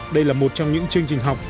đây là một trong những chương trình học